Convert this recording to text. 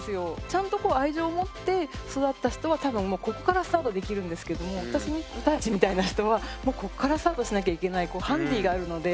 ちゃんとこう愛情を持って育った人は多分もうここからスタートできるんですけども私たちみたいな人はもうこっからスタートしなきゃいけないハンディがあるので。